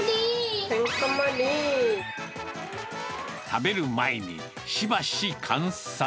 食べる前にしばし観察。